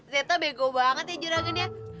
zeta bego banget ya jurangin ya